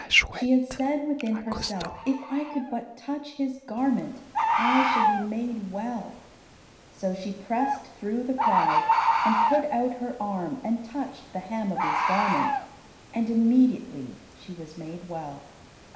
She had said within herself, "If I could but touch His garment I should be made well." So she pressed through the crowd, and put out her arm and touched the hem of His garment, and immediately she was made well.